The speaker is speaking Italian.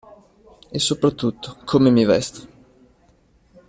E soprattutto come mi vesto?